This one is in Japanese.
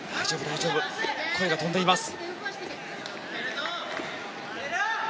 大丈夫という声が飛んでいます。